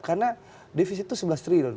karena defisit itu sebelas triliun